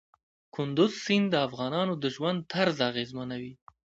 کندز سیند د افغانانو د ژوند طرز اغېزمنوي.